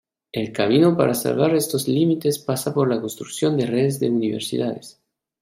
El camino para salvar estos límites pasa por la construcción de Redes de Universidades.